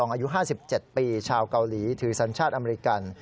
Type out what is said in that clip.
อายุ๕๗ปีชาวเกาหลีถือสัญชาติอเมริกัน